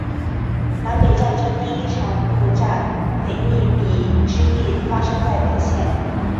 南北战争第一场陆战腓立比之役发生在本县。